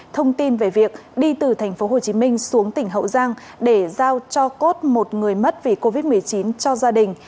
thông tin về việc đi từ tp hcm xuống tỉnh hậu giang để giao cho cốt một người mất vì covid một mươi chín cho gia đình